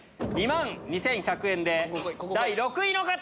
２万２１００円で第６位の方！